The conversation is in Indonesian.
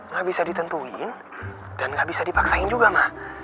gak bisa ditentuin dan gak bisa dipaksain juga mah